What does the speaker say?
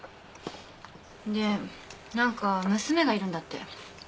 で何か娘がいるんだって。